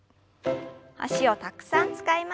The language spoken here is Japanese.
脚をたくさん使いました。